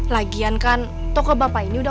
lagian kan toko bapak ini udah berhenti di sini ya pak